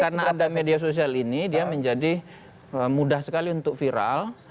karena ada media sosial ini dia menjadi mudah sekali untuk viral